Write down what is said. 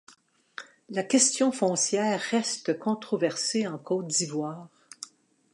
La question foncière reste controversée en Côte d'Ivoire.